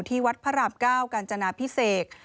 ที่วัดพระราบเก้ากาญจนาพิเศษ